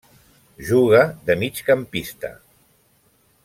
Juga de Migcampista.